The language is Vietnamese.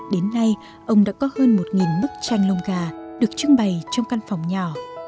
đến nay ông đã có hơn một bức tranh lông gà được trưng bày trong căn phòng nhỏ